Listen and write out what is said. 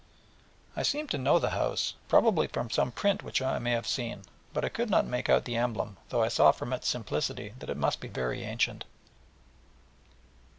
I seemed to know the house, probably from some print which I may have seen, but I could not make out the escutcheon, though I saw from its simplicity that it must be very ancient.